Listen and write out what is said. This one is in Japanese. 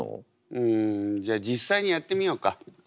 うんじゃあじっさいにやってみようか。